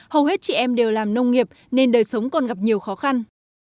hầu hết chị em đều làm nông nghiệp nên đời sống còn gặp nhiều khó khăn